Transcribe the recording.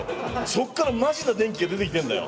そっからマジな電気が出てきてんだよ。